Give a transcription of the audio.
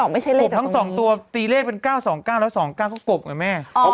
กบทั้ง๒ตัวตีเลขเป็น๙๒๙แล้ว๒๙ก็กบไหมแม่